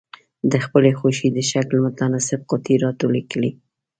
د خپلې خوښې د شکل متناسب قطي را ټولې کړئ.